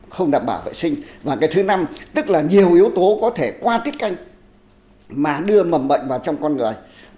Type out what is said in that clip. không đảm bảo vệ sinh thứ năm nhiều yếu tố có thể qua tiết canh mà đưa mầm bệnh vào trong con người